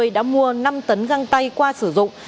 đã mua năm tấn găng tay qua sử dụng